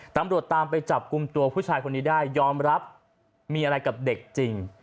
ตำรวจตามไปจับกลุ่มตัวผู้ชายคนนี้ได้ยอมรับมีอะไรกับเด็กจริง